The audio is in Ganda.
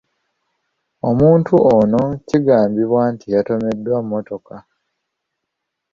Omuntu ono kigambibwa nti yatomeddwa mmotoka.